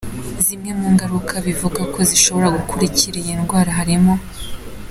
Zimwe mu ngaruka bivugwa ko zishobora gukurikira iyi ndwara harimo:.